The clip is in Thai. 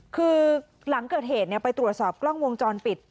คือหลังเกิดเหตุไปตรวจสอบกล้องวงจรปิด